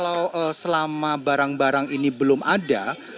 terus nah terus kalau selama barang barang ini belum ada